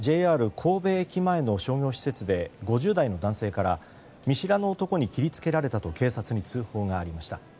ＪＲ神戸駅前の商業施設で５０代の男性から見知らぬ男に切り付けられたと警察に通報がありました。